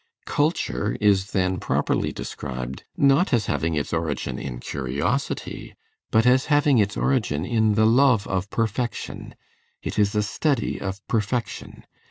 Culture is then properly described not as having its origin in curiosity, but as having its origin in the love of perfection; it is a study of perfection.